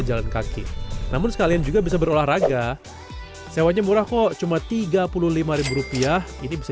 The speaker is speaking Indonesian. jalan kaki namun sekalian juga bisa berolahraga sewanya murah kok cuma tiga puluh lima rupiah ini bisa